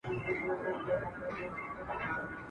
آيا چمتو ياست چي جشن ولمانځئ؟